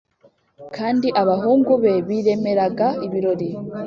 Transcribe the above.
Kandi abahungu be biremeraga ibirori